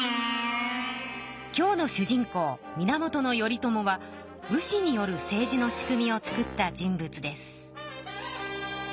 今日の主人公源頼朝は武士による政治の仕組みをつくった人物です。